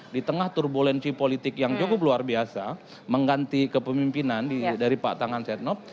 di tengah turbulensi politik yang cukup luar biasa mengganti kepemimpinan dari pak tangan setnov